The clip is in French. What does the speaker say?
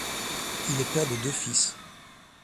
Il est père de deux fils.